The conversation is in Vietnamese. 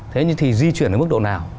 thế thì di chuyển ở mức độ nào